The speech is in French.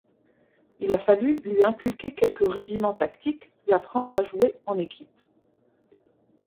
Il a fallu lui inculquer quelques rudiments tactiques, lui apprendre à jouer en équipe.